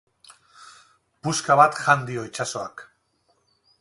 Puska bat jan dio itsasoak.